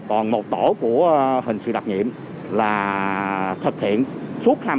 còn một tổ của hình sự đặc nhiệm là thực hiện suốt hai mươi bốn trên bảy